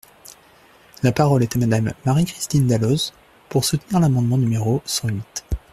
La parole est à Madame Marie-Christine Dalloz, pour soutenir l’amendement numéro cent huit.